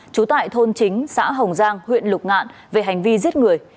trú tại thôn chính xã hồng giang huyện lục ngạn về hành vi giết người